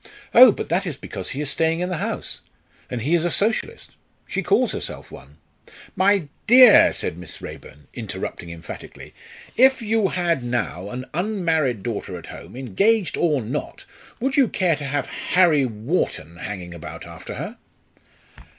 "Oh! but that is because he is staying in the house, and he is a Socialist; she calls herself one " "My dear," said Miss Raeburn, interrupting emphatically; "if you had now an unmarried daughter at home engaged or not would you care to have Harry Wharton hanging about after her?"